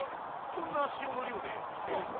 こんな塩の量でいけるの？